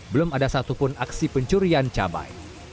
belum ada satupun aksi pencurian cabai